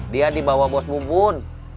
dia dibawa bos bubun